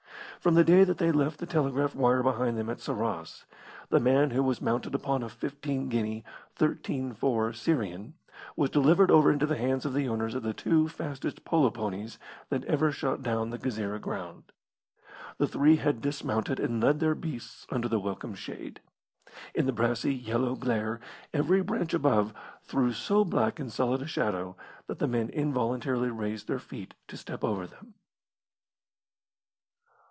From the day that they left the telegraph wire behind them at Sarras, the man who was mounted upon a 15 guinea 13 4 Syrian was delivered over into the hands of the owners of the two fastest polo ponies that ever shot down the Ghezireh ground. The three had dismounted and led their beasts under the welcome shade. In the brassy, yellow glare every branch above threw so black and solid a shadow that the men involuntarily raised their feet to step over them.